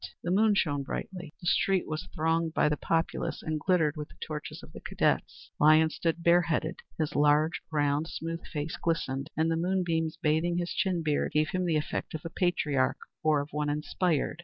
The moon shone brightly. The street was thronged by the populace, and glittered with the torches of the cadets. Lyons stood bareheaded. His large, round, smooth face glistened, and the moonbeams, bathing his chin beard, gave him the effect of a patriarch, or of one inspired.